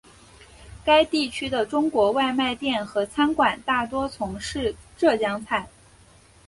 该地区的中国外卖店和餐馆大多从事浙江菜。